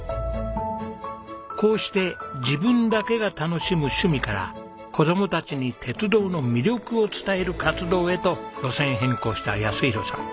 こうして自分だけが楽しむ趣味から子供たちに鉄道の魅力を伝える活動へと路線変更した泰弘さん。